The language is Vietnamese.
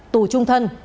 tù trung thân